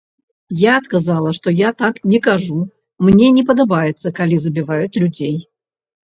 Я адказала, што я так не кажу, мне не падабаецца, калі забіваюць людзей.